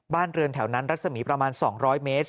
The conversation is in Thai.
บ้านเรือนแถวนั้นรัศมีประมาณ๒๐๐เมตร